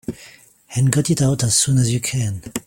And got it out as soon as you can.